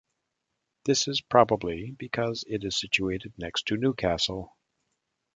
This is probably because it is situated next to Newcastle.